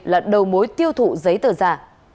lận đầu mối tiêu thụ giấy tờ giả